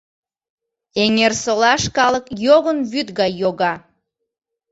Эҥерсолаш калык йогын вӱд гай йога.